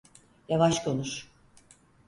Yavaş konuş.